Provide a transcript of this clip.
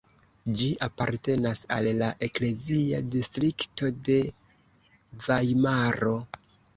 Ĝi apartenas al la eklezia distrikto de Vajmaro.